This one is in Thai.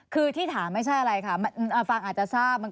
คือที่ถามไม่ใช่อะไรค่ะฟังอาจจะทราบ